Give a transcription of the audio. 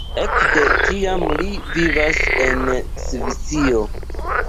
Ekde tiam li vivas en Svisio.